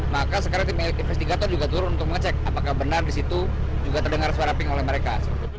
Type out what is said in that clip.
maka sekarang tim investigator juga turun untuk mengecek apakah benar di situ juga terdengar suara pink oleh mereka